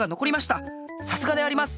さすがであります！